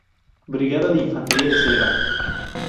Brigada de Infantería de Selva.